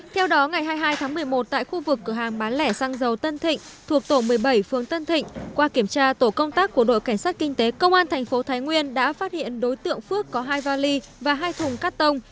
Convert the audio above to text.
theo đó ngày hai mươi hai tháng một mươi một tại khu vực cửa hàng bán lẻ xăng dầu tân thịnh thuộc tổ một mươi bảy phường tân thịnh qua kiểm tra tổ công tác của đội cảnh sát kinh tế công an thành phố thái nguyên đã phát hiện đối tượng phước có hai vali và hai thùng cắt tông